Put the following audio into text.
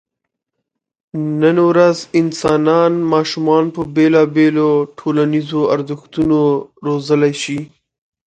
نن ورځ انسانان ماشومان په بېلابېلو ټولنیزو ارزښتونو روزلی شي.